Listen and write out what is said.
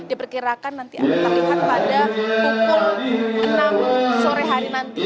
diperkirakan nanti akan terlihat pada pukul enam sore hari nanti